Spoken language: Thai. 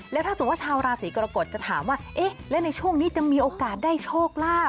แล้วถ้าสมมุติว่าชาวราศีกรกฎจะถามว่าเอ๊ะแล้วในช่วงนี้จะมีโอกาสได้โชคลาภ